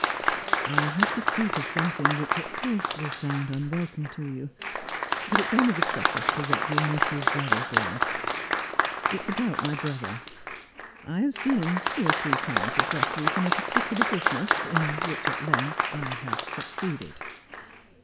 "I have to speak of something which at first will sound unwelcome to you; but it is only the preface to what will make you very glad. It is about my brother. I have seen him two or three times this last week on a particular business, in which at length I have succeeded.